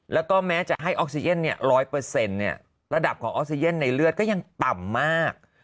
แล้วก็แม้จะให้ออกซิเจน๑๐๐ระดับของออกซิเจนในเลือดก็ยังต่ำมาก